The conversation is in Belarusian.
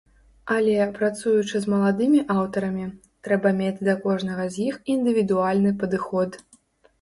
Але, працуючы з маладымі аўтарамі, трэба мець да кожнага з іх індывідуальны падыход.